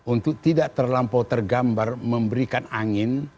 untuk tidak terlampau tergambar memberikan angin